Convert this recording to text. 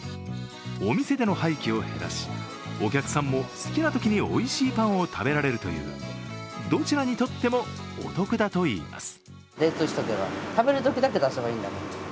お店での廃棄を減らしお客さんも好きなときにおいしいパンを食べられるという、どちらにとってもお得だといいます。